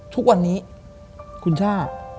ทุกวันนี้คุณช่า